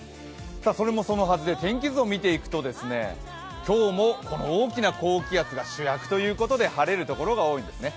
それもそのはずで、天気図を見ると今日もこの大きな高気圧が主役ということで晴れる所が多いんですね。